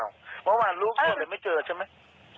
เมื่อวานรูปไม่เจอได้ไม่เจอใช่ไหม